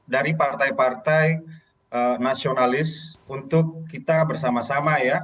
dari partai partai nasionalis untuk kita bersama sama ya